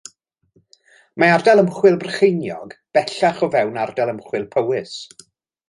Mae Ardal Ymchwil Brycheiniog, bellach, o fewn Ardal Ymchwil Powys.